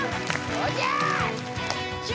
おじゃす！